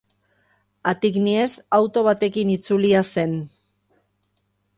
Attignies auto batekin itzulia zen.